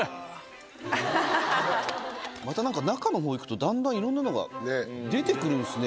また何か中の方いくとだんだんいろんなのが出てくるんですね。